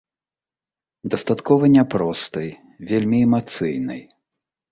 Дастаткова не простай, вельмі эмацыйнай.